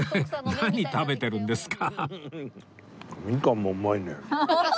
何食べてるんですか？